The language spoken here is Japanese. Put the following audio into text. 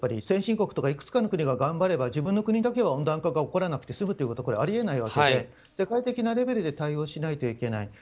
先進国とかいくつかの国が頑張れば自分の国だけは温暖化がなくて済むということはあり得ないので世界的なレベルで対応しないといけない。